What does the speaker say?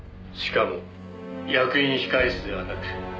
「しかも役員控室ではなく」